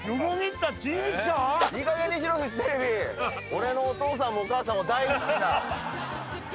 俺のお父さんもお母さんも大好きな。